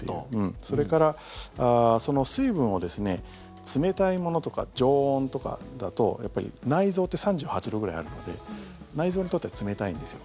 それから、その水分を冷たいものとか常温とかだと内臓って３８度くらいあるので内臓にとっては冷たいんですよ。